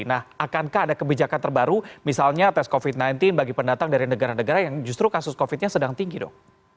nah akankah ada kebijakan terbaru misalnya tes covid sembilan belas bagi pendatang dari negara negara yang justru kasus covid nya sedang tinggi dok